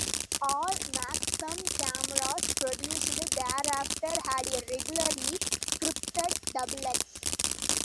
All Maxxum cameras produced thereafter had a regularly scripted double 'X'.